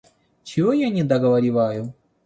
Чего я не договариваю?